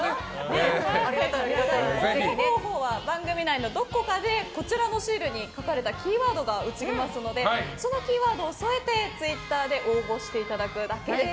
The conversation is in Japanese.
応募方法は番組内のどこかでこちらのシールに書かれたキーワードが映りますのでそのキーワードをそえてツイッターで応募いただくだけです。